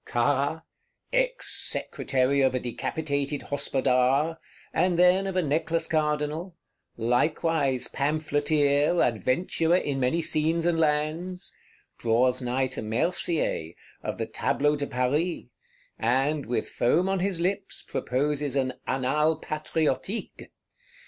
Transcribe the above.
Carra, "Ex secretary of a decapitated Hospodar," and then of a Necklace Cardinal; likewise pamphleteer, Adventurer in many scenes and lands,—draws nigh to Mercier, of the Tableau de Paris; and, with foam on his lips, proposes an Annales Patriotiques.